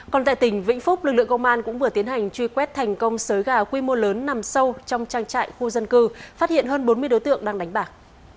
còn tại tỉnh vĩnh phúc lực lượng công an cũng vừa tiến hành truy quét thành công sới gà quy mô lớn nằm sâu trong trang trại khu dân cư phát hiện hơn bốn mươi đối tượng đang đánh bạc